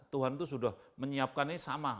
tuhan itu sudah menyiapkan ini sama